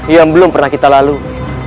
yang belum pernah kita lalui